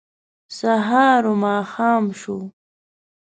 سهار و ماښام شو